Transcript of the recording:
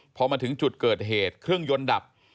พอมาถึงจุดเกิดเหตุเครื่องยนต์ดับ